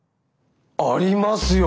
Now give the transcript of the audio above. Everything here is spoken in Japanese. ありますよ。